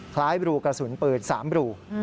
คล้ายรูกระสุนปืน๓รู